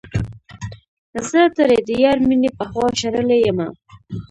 زه ترې د يار مينې پخوا شړلے يمه